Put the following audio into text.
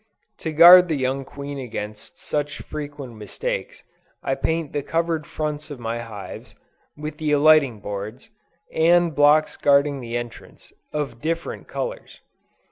To guard the young queen against such frequent mistakes, I paint the covered fronts of my hives, with the alighting boards, and blocks guarding the entrance, of different colors.